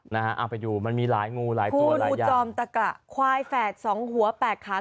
เอาไปดูมันมีหลายงูหลายตัวหลายอย่าง